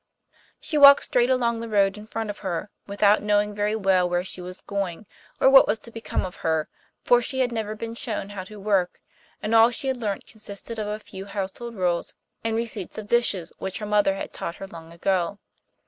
She walked straight along the road in front of her, without knowing very well where she was going or what was to become of her, for she had never been shown how to work, and all she had learnt consisted of a few household rules, and receipts of dishes which her mother had taught her long ago.